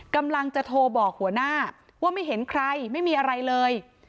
กำลังจะโทรบอกหัวหน้าว่าไม่เห็นใครไม่มีอะไรเลย